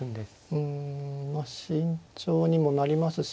うんまあ慎重にもなりますし。